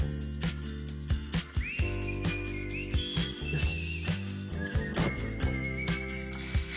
よし。